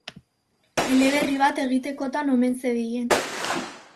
Eleberri bat egitekotan omen zebilen.